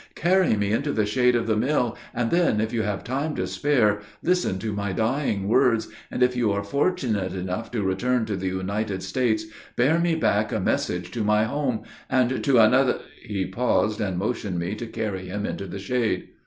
Carry me into the shade of the mill, and then, if you have time to spare, listen to my dying words, and, if you are fortunate enough to return to the United States, bear me back a message to my home, and to anoth " he paused, and motioned me to carry him into the shade.